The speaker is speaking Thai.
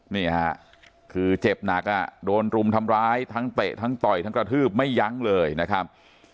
นี่ค่ะคือเจ็บหนักอ่ะโดนรุมทำร้ายทั้งเตะทั้งต่อยทั้งกระทืบไม่ยั้งเลยนะครับ